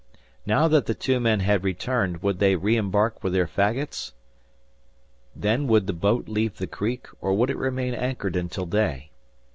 Now that the two men had returned, would they re embark with their faggots? Then would the boat leave the creek, or would it remain anchored until day?